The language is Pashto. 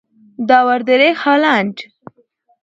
دور درېخت هالنډ.